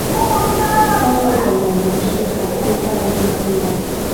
该物种的模式产地在印度洋。